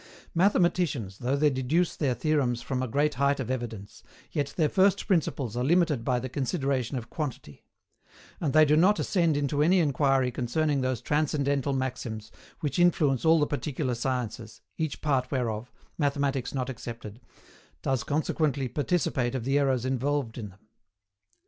Mathematicians, though they deduce their theorems from a great height of evidence, yet their first principles are limited by the consideration of quantity: and they do not ascend into any inquiry concerning those transcendental maxims which influence all the particular sciences, each part whereof, Mathematics not excepted, does consequently participate of the errors involved in them.